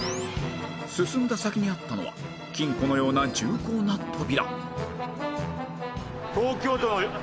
進んだ先にあったのは金庫のような重厚な扉